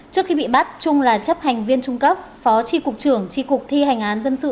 trước khi bị bắt trung là chấp hành viên trung cấp phó tri cục trưởng tri cục thi hành án dân sự